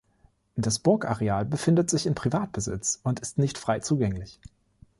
Das Burgareal befindet sich in Privatbesitz und ist nicht frei zugänglich.